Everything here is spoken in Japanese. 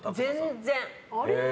全然。